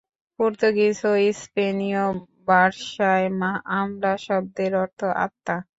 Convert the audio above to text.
Portuguese ও স্পেনীয় বাষায় আলমা শব্দের অর্থ আত্মা।